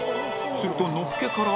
するとのっけから